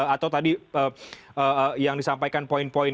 atau tadi yang disampaikan poin poin